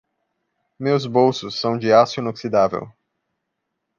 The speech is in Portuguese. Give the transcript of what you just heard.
Meus bolsos são de aço inoxidável.